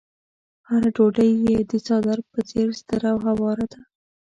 هره ډوډۍ يې د څادر په څېر ستره او هواره ده.